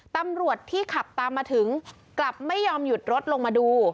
ตำรวจที่ขับตามมาถึงกลับไม่ยอมหยุดรถลงมาดู